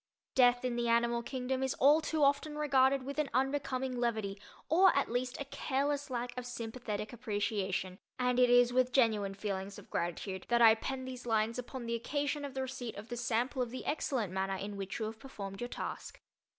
Death in the animal kingdom is all too often regarded with an unbecoming levity or, at least, a careless lack of sympathetic appreciation, and it is with genuine feelings of gratitude that I pen these lines upon the occasion of the receipt of the sample of the excellent manner in which you have performed your task.